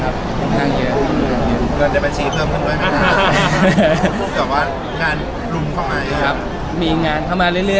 ครับทั้งเยอะครับมีมีมีมีมีมีมีมีมีมีมีมีมีมี